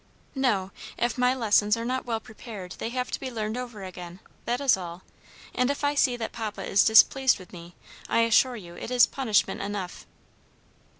"No; if my lessons are not well prepared they have to be learned over again, that is all; and if I see that papa is displeased with me, I assure you it is punishment enough."